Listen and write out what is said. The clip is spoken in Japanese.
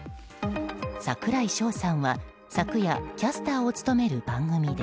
櫻井翔さんは昨夜キャスターを務める番組で。